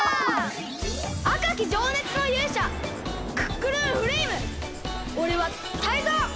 あかきじょうねつのゆうしゃクックルンフレイムおれはタイゾウ！